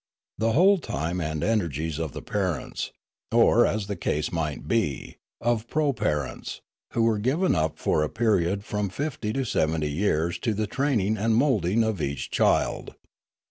The whole time and ener gies of the parents, or, as the case might be, of the proparents, were given up for a period of from fifty to seventy years to the training and moulding of each child.